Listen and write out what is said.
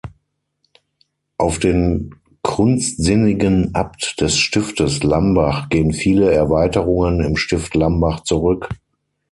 Auf den kunstsinnigen Abt des Stiftes Lambach gehen viele Erweiterungen im Stift Lambach zurück.